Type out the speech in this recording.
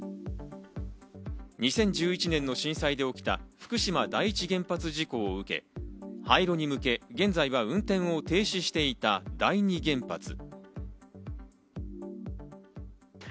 ２０１１年の震災で起きた福島第一原発事故を受け、廃炉に向け現在は運転を停止していた第二原発。